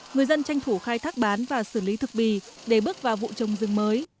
người dân tranh thủ khai thác bán và xử lý thực bì để bước vào vụ trồng rừng mới